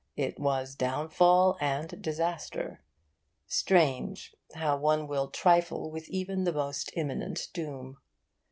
It was downfall and disaster. Strange, how one will trifle with even the most imminent doom.